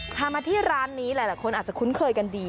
พามาที่ร้านนี้หลายคนอาจจะคุ้นเคยกันดี